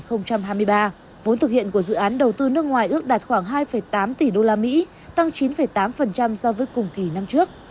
trong hai tháng đầu năm hai nghìn hai mươi ba vốn thực hiện của dự án đầu tư nước ngoài ước đạt khoảng hai tám tỷ usd tăng chín tám so với cùng kỳ năm trước